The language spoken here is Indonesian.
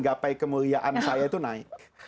gapai kemuliaan saya itu naik